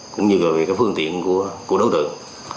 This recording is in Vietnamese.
cũng như là về phương tiện của đối tượng